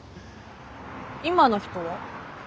今の人は？え？